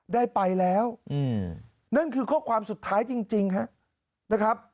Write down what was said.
ได้ไปแล้วนั่นคือข้อความสุดท้ายจริงครับนะครับ